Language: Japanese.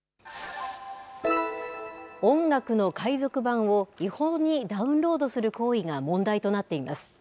音楽の海賊版を違法にダウンロードする行為が問題となっています。